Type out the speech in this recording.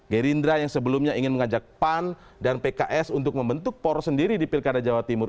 gerindra yang sebelumnya ingin mengajak pan dan pks untuk membentuk poros sendiri di pilkada jawa timur